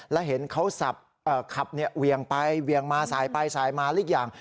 และเห็นเขาสับขับเนี่ยเวียงไปเวียงมาสายไปสายมาอีกอย่าง